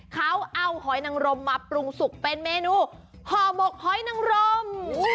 เขาเอาหอยนังรมมาปรุงสุกเป็นเมนูห่อหมกหอยนังรม